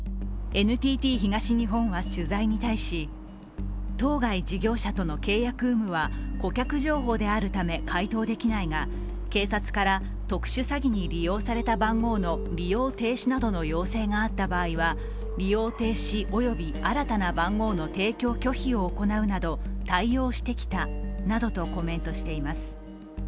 ＮＴＴ東日本は取材に対し当該事業者との契約有無は顧客情報であるため回答できないが、警察から特殊詐欺に利用された番号の利用停止などの要請があった場合は利用停止および新たな番号の提供拒否を行うなど対応してきたなどとコメントしています。